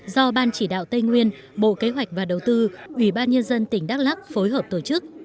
do ban chỉ đạo tây nguyên bộ kế hoạch và đầu tư ủy ban nhân dân tỉnh đắk lắc phối hợp tổ chức